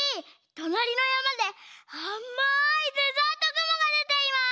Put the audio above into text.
となりのやまであまいデザートぐもがでています！